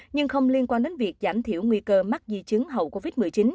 nhưng không liên quan đến việc giảm thiểu nguy cơ mắc di chứng hậu covid một mươi chín